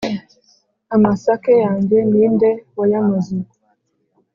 amasake yanjye ni nde wayamaze ??"